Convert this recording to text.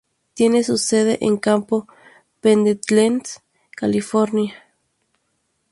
Tiene su sede en Camp Pendleton, California.